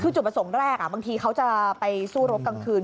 คือจุดประสงค์แรกบางทีเขาจะไปสู้รบกลางคืน